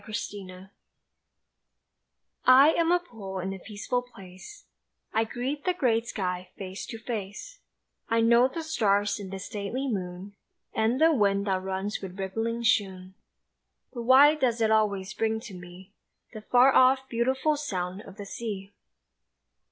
THE SEA WIND I AM a pool in a peaceful place, I greet the great sky face to face, I know the stars and the stately moon And the wind that runs with rippling shoon But why does it always bring to me The far off, beautiful sound of the sea?